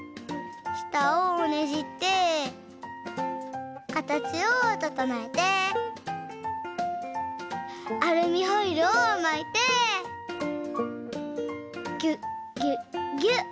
したをねじってかたちをととのえてアルミホイルをまいてぎゅっぎゅっぎゅっ。